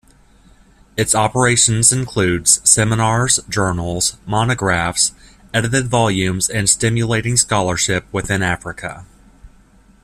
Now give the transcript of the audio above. Its operations includes seminars, journals, monographs, edited volumes and stimulating scholarship within Africa.